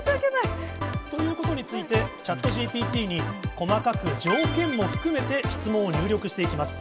ということについて、ＣｈａｔＧＰＴに細かく条件も含めて、質問を入力していきます。